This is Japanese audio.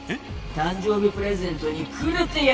誕生日プレゼントにくれてやるぽよ。